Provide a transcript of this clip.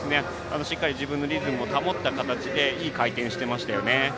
しっかりと自分のリズムを保った形でいい回転をしていましたよね。